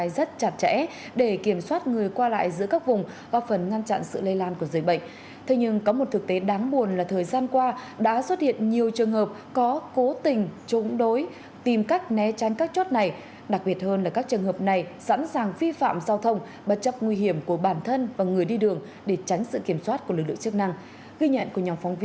để tránh sự kiểm soát của lực lượng chức năng ghi nhận của nhóm phóng viên thời sự